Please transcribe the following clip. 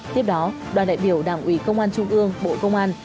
tiếp đó đoàn đại biểu đảng ủy công an trung ương bộ công an